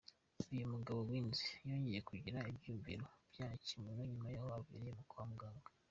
Uyu mugabo Wiens yongeye kugira ibyiyumviro bya kimuntu nyuma yaho aviriye kwa muganga.